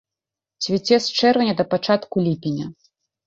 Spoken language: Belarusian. Цвіце з чэрвеня да пачатку ліпеня.